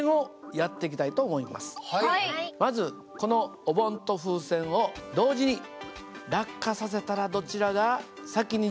まずこのお盆と風船を同時に落下させたらどちらが先に地面に着くと思いますか？